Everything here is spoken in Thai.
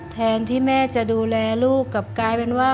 แทนที่แม่จะดูแลลูกกลับกลายเป็นว่า